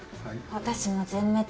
私も全滅。